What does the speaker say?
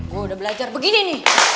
gue udah belajar begini nih